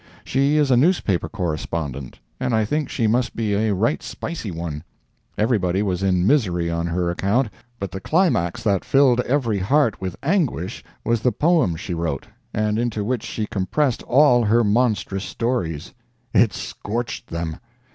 She is a newspaper correspondent, and I think she must be a right spicy one. Everybody was in misery on her account, but the climax that filled every heart with anguish was the poem she wrote, and into which she compressed all her monstrous stories. It scorched them!